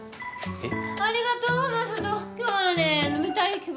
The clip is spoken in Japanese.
えっ？